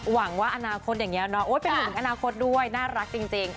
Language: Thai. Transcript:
หวังว่าอนาคตอย่างนี้เนาะเป็นห่วงถึงอนาคตด้วยน่ารักจริง